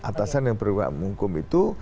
atasan yang berhubungan menghukum itu